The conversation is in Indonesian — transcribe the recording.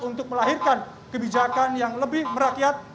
untuk melahirkan kebijakan yang lebih merakyat